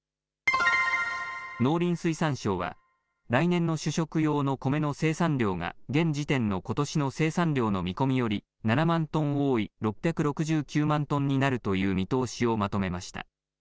農林水産省は来年の主食用のコメの生産量が現時点のことしの生産量の見込みより７万トン多い６６９万トンになるという見通しをまとめました。